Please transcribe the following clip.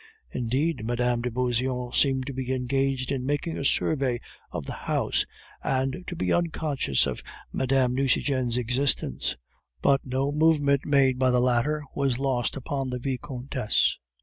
Indeed, Mme. de Beauseant seemed to be engaged in making a survey of the house, and to be unconscious of Mme. Nucingen's existence; but no movement made by the latter was lost upon the Vicomtesse.